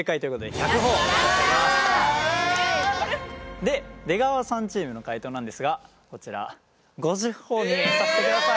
で出川さんチームの解答なんですがこちら５０ほぉにさせてください。